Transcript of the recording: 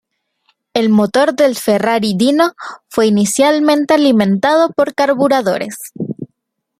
El motor del Ferrari Dino fue inicialmente alimentado por carburadores.